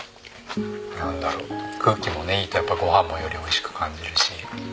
なんだろう空気もいいとご飯もよりおいしく感じるし。